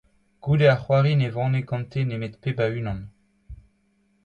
Goude ar c'hoari ne vane gante nemet pep a unan.